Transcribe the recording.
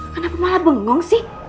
kenapa malah bengong sih